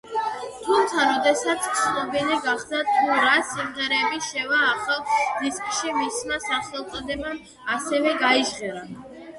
თუმცა, როდესაც ცნობილი გახდა, თუ რა სიმღერები შევა ახალ დისკში, მისმა სახელწოდებამ ასევე გაიჟღერა.